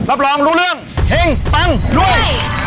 รับรองรู้เรื่องเฮงปังด้วย